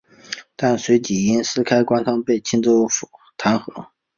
但随即因私开官仓被青州府弹劾。